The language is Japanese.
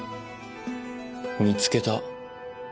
見つけた。